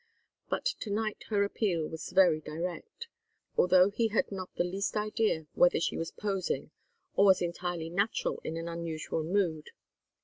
But to night her appeal was very direct, although he had not the least idea whether she was posing or was entirely natural in an unusual mood.